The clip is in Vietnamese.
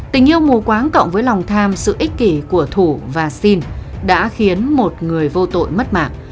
tình yêu mù quáng cộng với lòng tham sự ích kỷ của thủ và xin đã khiến một người vô tội mất mạng